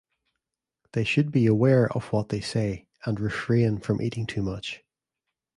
They should be aware of what they say, and refrain from eating too much.